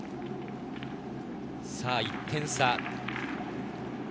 １点差。